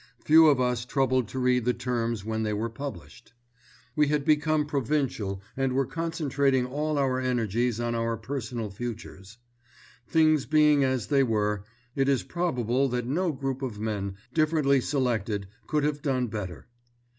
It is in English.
Few of us troubled to read the terms when they were published. We had become provincial and were concentrating all our energies on our personal futures. Things being as they were, it is probable that no group of men, differently selected, could have done better.